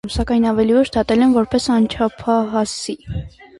Սակայն ավելի ուշ դատել են որպես անչափահասի։